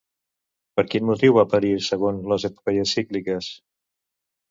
Per quin motiu va perir segons les epopeies cícliques?